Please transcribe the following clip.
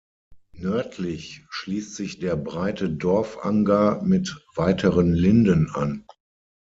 Nördlich schließt sich der breite Dorfanger mit weiteren Linden an.